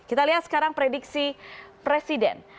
kita lihat sekarang prediksi presiden